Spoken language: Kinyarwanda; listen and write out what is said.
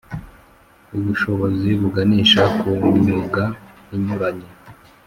Ubushobozi buganisha ku myuga inyuranye